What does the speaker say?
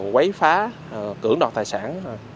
quấy phá cưỡng đọt tài sản